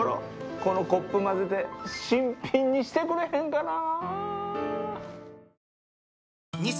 このコップ混ぜて新品にしてくれへんかな？